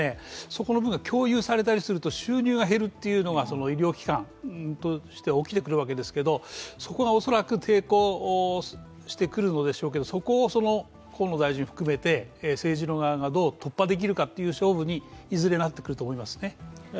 そこの部分が共有されたりすると収入が減るということが医療機関として起きてくるわけですけど、そこが恐らく抵抗してくるのでしょうけど、そこを河野大臣含めて政治の側がどう突破できるかっていう勝負にいずれなってくると思いますね。